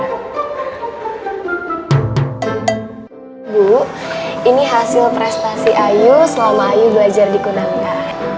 ibu ini hasil prestasi ayu selama ayu belajar dikunangkan